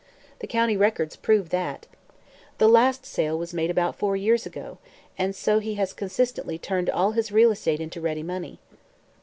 The county records prove that. The last sale was made about four years ago, so he has consistently turned all his real estate into ready money."